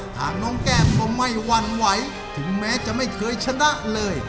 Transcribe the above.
ทางน้องแก้มก็ไม่หวั่นไหวถึงแม้จะไม่เคยชนะเลย